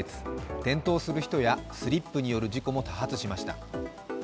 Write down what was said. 転倒する人やスリップによる事故も多発しました。